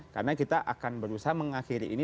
karena kita akan berusaha mengakhiri ini